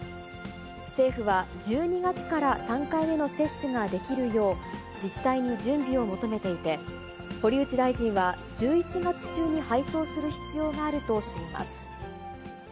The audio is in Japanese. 政府は１２月から３回目の接種ができるよう、自治体に準備を求めていて、堀内大臣は、１１月中に配送する必要があるとしています。